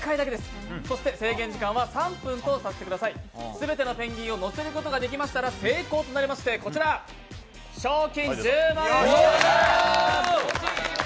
全てのペンギンをのせることができることができましたら成功となりまして、こちら、賞金１０万円差し上げます。